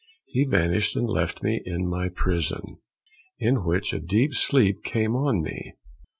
He vanished and left me in my prison, in which a deep sleep came on me.